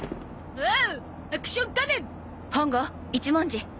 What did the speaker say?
おお！